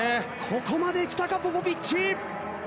ここまで来たかポポビッチ。